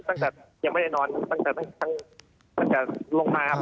ตั้งแต่ยังไม่ได้นอนตั้งแต่ลงมาครับ